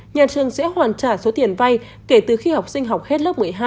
nhà trường sẽ hoàn trả số tiền vay kể từ khi học sinh học hết lớp một mươi hai